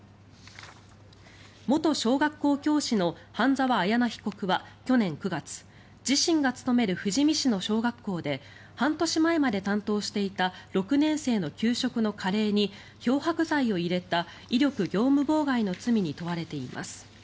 元小学校教師の半澤彩奈被告は去年９月自身が勤める富士見市の小学校で半年前まで担当していた６年生の給食のカレーに漂白剤を入れた威力業務妨害の罪に問われています。